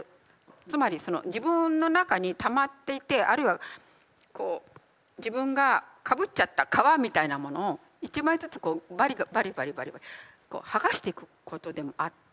つまりその自分の中にたまっていてあるいはこう自分がかぶっちゃった皮みたいなものを１枚ずつバリバリバリバリ剥がしていくことでもあって。